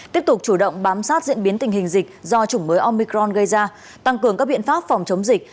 tiếp tục chủ động bám sát diễn biến tình hình dịch do chủng mới omicron gây ra tăng cường các biện pháp phòng chống dịch